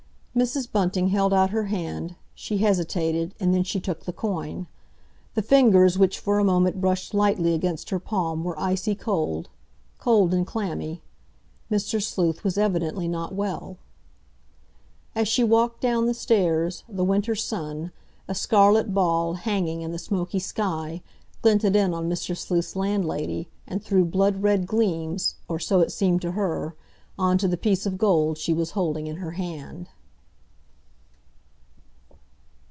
Mrs. Bunting held out her hand, she hesitated, and then she took the coin. The fingers which for a moment brushed lightly against her palm were icy cold—cold and clammy. Mr. Sleuth was evidently not well. As she walked down the stairs, the winter sun, a scarlet ball hanging in the smoky sky, glinted in on Mr. Sleuth's landlady, and threw blood red gleams, or so it seemed to her, on to the piece of gold she was holding in her hand.